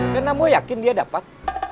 dan ambo yakin dia dapet